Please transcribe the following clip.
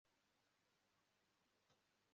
Kandi Ubwana biranezeza muburyo bwose